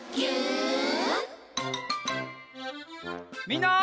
みんな。